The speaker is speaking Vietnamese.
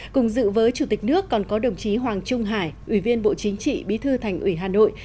cùng dự với chủ tịch nước còn có đồng chí hoàng trung hải ủy viên bộ chính trị bí thư thành ủy hà nội